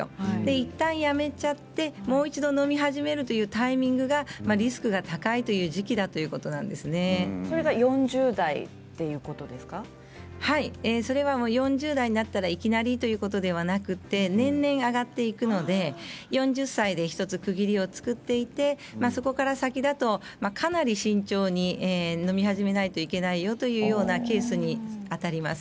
いったんやめてしまってもう一度のみ始めるというタイミングがリスクが高いという時期だとそれが４０代４０代になったらいきなりということではなくて年々上がっていくので４０歳で１つ区切りを作っていってそこから先だとかなり慎重にのみ始めないといけないよというケースにあたります。